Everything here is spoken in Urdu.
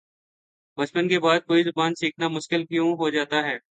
بچپن کے بعد کوئی زبان سیکھنا مشکل کیوں ہوجاتا ہے